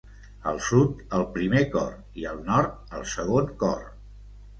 Al sud, el primer cor i al nord el segon cor.